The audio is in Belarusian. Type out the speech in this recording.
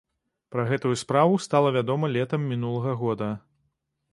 Пра гэтую справу стала вядома летам мінулага года.